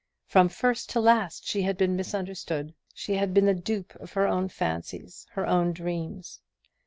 From first to last she had been misunderstood; she had been the dupe of her own fancies, her own dreams.